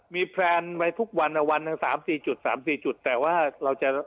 มีแพลนไว้ทุกวันวันทั้ง๓๔จุด๓๔จุดแต่ว่าเราจะ